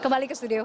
kembali ke studio